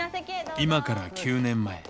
今から９年前。